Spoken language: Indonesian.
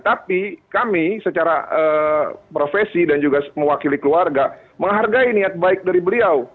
tapi kami secara profesi dan juga mewakili keluarga menghargai niat baik dari beliau